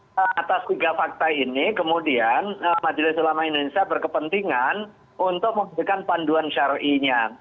nah atas tiga fakta ini kemudian majelis ulama indonesia berkepentingan untuk memberikan panduan syarinya